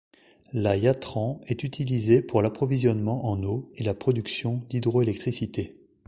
La Yatran est utilisée pour l'approvisionnement en eau et la production d'hydroélectricité.